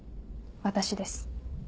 私です。